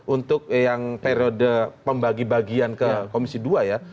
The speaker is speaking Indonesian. untuk yang periode pembagi bagian ke komisi dua ya